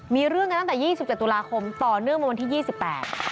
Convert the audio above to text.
มีเรื่องกันตั้งแต่ยี่สิบเจ็ดตุลาคมต่อเนื่องมาวันที่ยี่สิบแปด